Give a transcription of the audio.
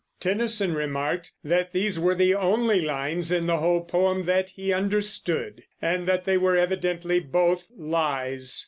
Tennyson remarked that these were the only lines in the whole poem that he understood, and that they were evidently both lies.